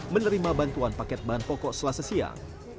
menerima bantuan paket bahan pokok selasa siang